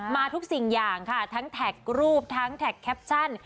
มาทุกสิ่งอย่างค่ะทั้งแท็กรูปทั้งแท็กแคปชั่น